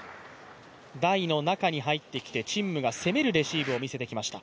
台の中に入ってきて、陳夢が攻めるレシーブを見せてきました。